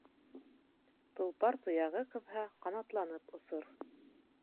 Толпар тояғы ҡыҙһа, ҡанатланып осор.